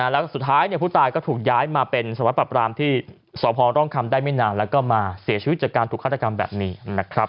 แล้วก็สุดท้ายผู้ตายก็ถูกย้ายมาเป็นสวัสปรับรามที่สพร่องคำได้ไม่นานแล้วก็มาเสียชีวิตจากการถูกฆาตกรรมแบบนี้นะครับ